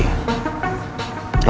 lo kasih tau dia